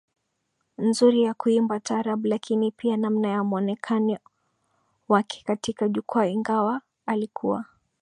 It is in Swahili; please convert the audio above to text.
nzuri ya kuimba taarab lakini pia namna ya muonekano wake katika jukwaa Ingawa alikuwa